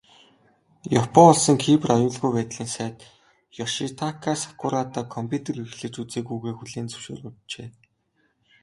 Япон улсын Кибер аюулгүй байдлын сайд Ёшитака Сакурада компьютер хэрэглэж үзээгүйгээ хүлээн зөвшөөрчээ.